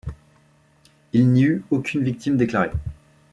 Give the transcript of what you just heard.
Il n'y eut aucune victime déclarée.